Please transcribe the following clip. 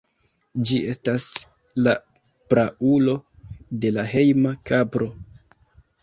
Ĝi estas la praulo de la hejma kapro.